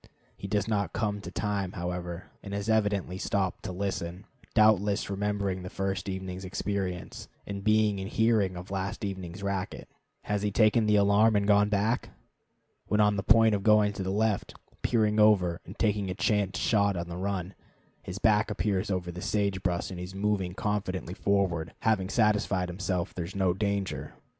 He does not come to time, however, and has evidently stopped to listen; doubtless remembering the first evening's experience, and being in hearing of last evening's racket. Has he taken the alarm and gone back? When on the point of going to the left, peering over, and taking a chance shot on the run, his back appears over the sage brush and he is moving confidently forward, having satisfied himself there is no danger.